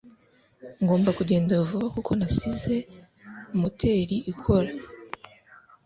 Ngomba kugenda vuba kuko nasize moteri ikora.